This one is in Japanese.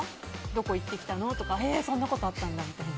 どこ行ってきたの？とかそんなところあったんだとか。